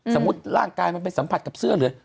สมมุติร่างกายมันไปสัมผัสกับเสื้อเหลือ